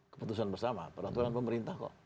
keputusan bersama peraturan pemerintah kok